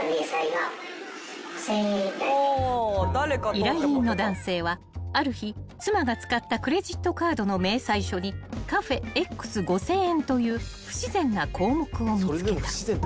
［依頼人の男性はある日妻が使ったクレジットカードの明細書に「カフェ・Ｘ５，０００円」という不自然な項目を見つけた］